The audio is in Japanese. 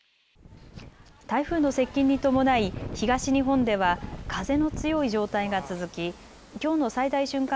台風の接近に伴い東日本では風の強い状態が続ききょうの最大瞬間